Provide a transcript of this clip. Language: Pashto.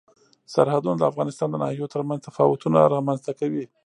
سرحدونه د افغانستان د ناحیو ترمنځ تفاوتونه رامنځ ته کوي.